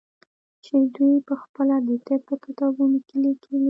چې دوى پخپله د طب په کتابونو کښې ليکلي.